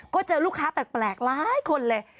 ก็เจอลูกค้าแปลกหลายคนเลย